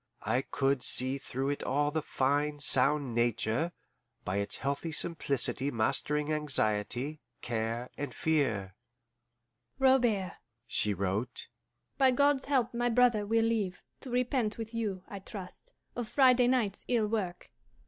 I could see through it all the fine, sound nature, by its healthy simplicity mastering anxiety, care, and fear. "Robert," she wrote, "by God's help my brother will live, to repent with you, I trust, of Friday night's ill work.